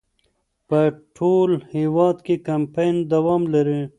په ټول هېواد کې کمپاین دوام لري.